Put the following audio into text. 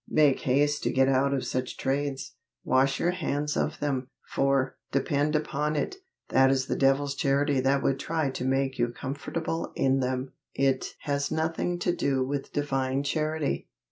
Make haste to get out of such trades. Wash your hands of them, for, depend upon it, that is the devil's Charity that would try to make you comfortable in them! It has nothing to do with Divine Charity.